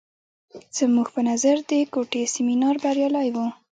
زموږ په نظر د کوټې سیمینار بریالی و.